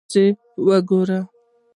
منځ یې وګورئ.